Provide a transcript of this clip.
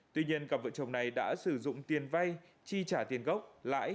tuy nhiên cặp vợ chồng này đã sử dụng tiền vay chi trả tiền gốc lãi